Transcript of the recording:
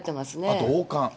あと王冠。